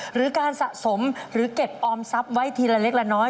หรือการสะสมหรือเก็บออมทรัพย์ไว้ทีละเล็กละน้อย